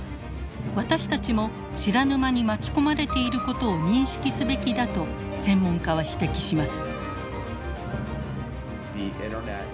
私たちも知らぬ間に巻き込まれていることを認識すべきだと専門家は指摘します。